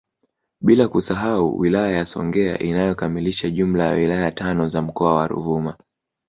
Bila kusahau wilaya ya Songea inayokamilisha jumla ya wilaya tano za mkoa wa Ruvuma